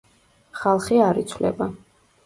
ხალხი არ იცვლება.